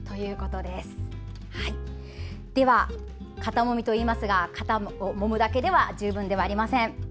では、肩もみといいますが肩をもむだけでは十分ではありません。